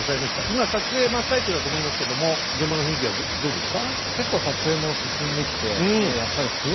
今撮影真っ最中だと思いますけども現場の雰囲気はどうですか？